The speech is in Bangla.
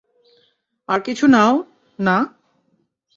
আর কিছু নাও, - না।